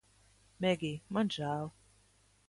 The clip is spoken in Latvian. Megij, man žēl